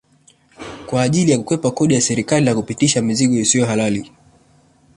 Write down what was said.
Kwa ajili ya kukwepa kodi ya serikali na kupitisha mizigo isiyo halali